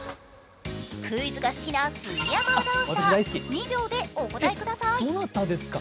クイズが好きな杉山アナウンサー、２秒でお答えください。